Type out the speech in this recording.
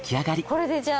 これでじゃあ。